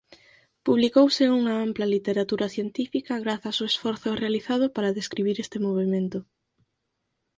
Publicouse unha ampla literatura científica grazas ao esforzo realizado para describir este movemento.